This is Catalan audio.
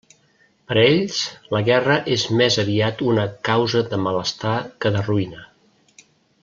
Per a ells, la guerra és més aviat una causa de malestar que de ruïna.